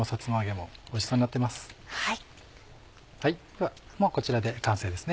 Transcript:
もうこちらで完成ですね。